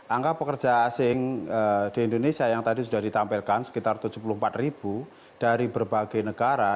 angka pekerja asing di indonesia yang tadi sudah ditampilkan sekitar tujuh puluh empat ribu dari berbagai negara